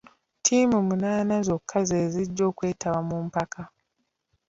Ttiimu munaana zokka ze zijja okwetaba mu mpaka.